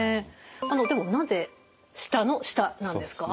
でもなぜ舌の下なんですか？